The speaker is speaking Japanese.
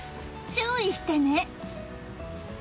注意してね！